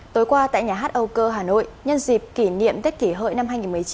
tối qua tại nhà hát âu cơ hà nội nhân dịp kỷ niệm tết kỷ hội năm hai nghìn một mươi chín